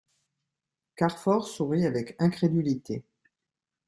Carfor sourit avec incrédulité.